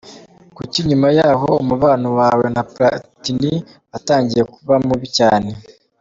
Kuki nyuma y’aho umubano wawe na Platini watangiye kuba mubi cyane?.